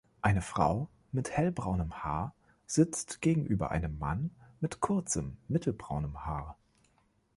Eine Frau mit hellbraunem Haar sitzt gegenüber einem Mann mit kurzem, mittelbraunem Haar.